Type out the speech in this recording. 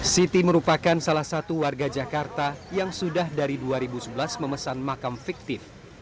siti merupakan salah satu warga jakarta yang sudah dari dua ribu sebelas memesan makam fiktif